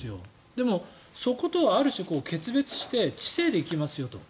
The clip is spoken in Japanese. でも、そことある種決別して知性で行きますよと。